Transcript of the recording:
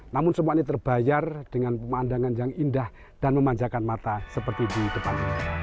namun semua ini terbayar dengan pemandangan yang indah dan memanjakan mata seperti di depan